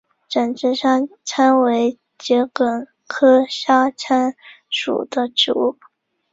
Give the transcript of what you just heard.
展枝沙参为桔梗科沙参属的植物。